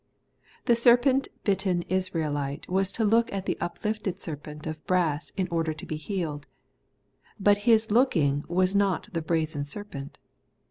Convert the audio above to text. The serpent bitten Israelite was to look at the uplifted serpent of brass in order to be healed. But his looking was not the brazen serpent.